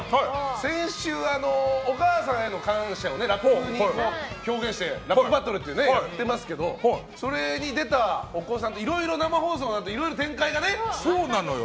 先週、お母さんへの感謝をラップに表現するラップバトルをやってますけどそれに出たお子さんもいろいろ生放送のあと展開がね。